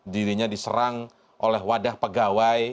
dirinya diserang oleh wadah pegawai